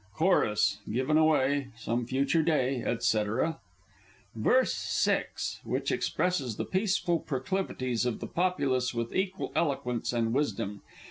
Chorus "Given away!" Some future day, &c. VERSE VI. (_Which expresses the peaceful proclivities of the populace with equal eloquence and wisdom.